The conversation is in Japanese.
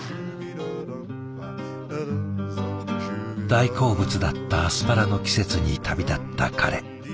大好物だったアスパラの季節に旅立った彼。